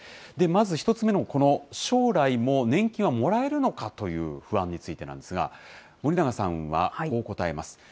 まず１つ目の、この将来も年金はもらえるのかという不安についてなんですが、森永さんはこう答えます。